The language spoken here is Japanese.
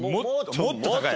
もっと高い。